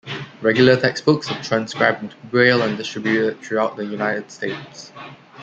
Regular textbooks are transcribed into Braille and distributed throughout the United States.